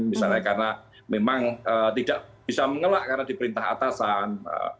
misalnya karena memang tidak bisa mengelak karena di perintah atasan